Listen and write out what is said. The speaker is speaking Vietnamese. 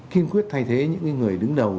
kiên quyết thay thế những người đứng đầu